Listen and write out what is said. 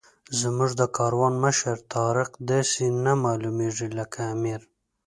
زموږ د کاروان مشر طارق داسې نه معلومېږي لکه امیر.